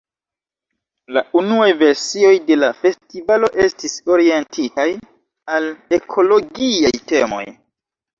La unuaj versioj de la festivalo estis orientitaj al ekologiaj temoj.